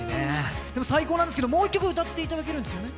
最高なんですけど、もう１曲歌っていただけるんですよね。